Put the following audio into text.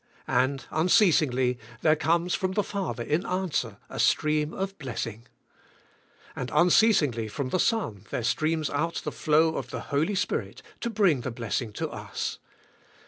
Andunceasing ly there comes from the Father in answer a stream of blessing" And unceasingly from the Son there streams out the flow of the Holy Spirit to bring the blessing to us.